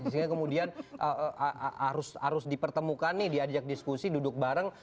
sehingga kemudian harus dipertemukan nih diajak diskusi duduk bareng